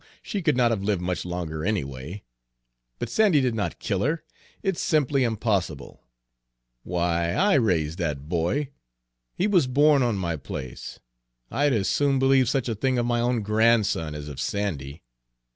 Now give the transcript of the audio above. she could not have lived much longer anyway; but Sandy did not kill her, it's simply impossible! Why, I raised that boy! He was born on my place. I'd as soon believe such a thing of my own grandson as of Sandy!